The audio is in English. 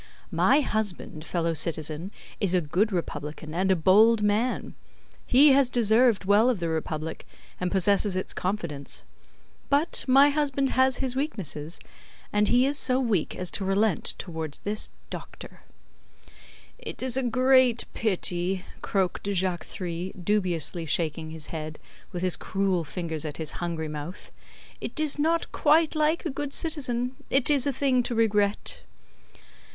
My husband, fellow citizen, is a good Republican and a bold man; he has deserved well of the Republic, and possesses its confidence. But my husband has his weaknesses, and he is so weak as to relent towards this Doctor." "It is a great pity," croaked Jacques Three, dubiously shaking his head, with his cruel fingers at his hungry mouth; "it is not quite like a good citizen; it is a thing to regret."